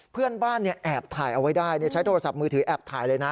เพื่อนบ้านแอบถ่ายเอาไว้ได้ใช้โทรศัพท์มือถือแอบถ่ายเลยนะ